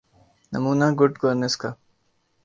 نمونہ good governance کا۔